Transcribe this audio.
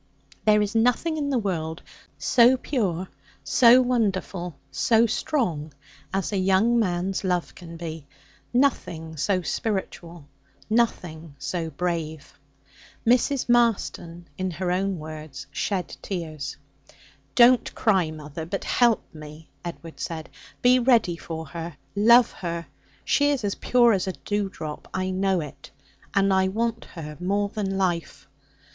There is nothing in the world so pure, so wonderful, so strong, as a young man's love can be nothing so spiritual, nothing so brave. Mrs. Marston, in her own words, 'shed tears.' 'Don't cry, mother, but help me,' Edward said. 'Be ready for her, love her. She is as pure as a dew drop. I know it. And I want her more than life.'